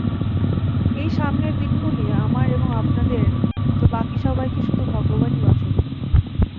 এই সামনের দিনগুলি, আমার এবং আপনাদের, তো বাকি সবাইকে শুধু ভগবানই বাঁচাবে।